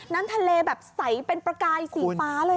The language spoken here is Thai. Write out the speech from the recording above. น้ำทะเลแบบใสเป็นประกายสีฟ้าเลย